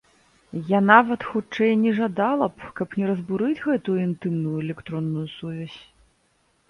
Я нават, хутчэй, не жадала б, каб не разбурыць гэтую інтымную электронную сувязь.